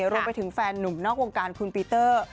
รวมไปถึงแฟนหนุ่มนอกวงการคุณปีเตอร์